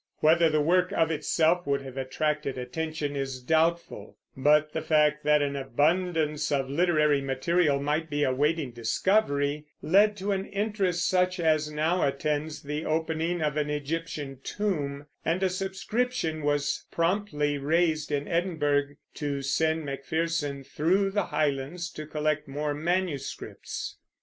Whether the work of itself would have attracted attention is doubtful; but the fact that an abundance of literary material might be awaiting discovery led to an interest such as now attends the opening of an Egyptian tomb, and a subscription was promptly raised in Edinburgh to send Macpherson through the Highlands to collect more "manuscripts."